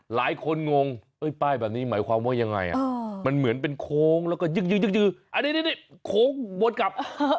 งงป้ายแบบนี้หมายความว่ายังไงมันเหมือนเป็นโค้งแล้วก็ยึกยืออันนี้โค้งวนกลับ